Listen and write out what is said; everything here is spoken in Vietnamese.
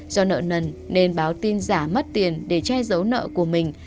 do nợ nần nên báo tin giả mất tiền để che giấu nợ của mình